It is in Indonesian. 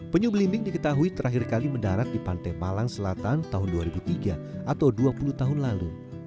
penyu belimbing diketahui terakhir kali mendarat di pantai malang selatan tahun dua ribu tiga atau dua puluh tahun lalu